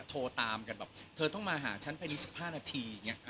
โทรตามกันแบบเธอต้องมาหาฉันไป๑๕นาที